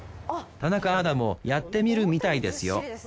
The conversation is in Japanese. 田中アナもやってみるみたいですよ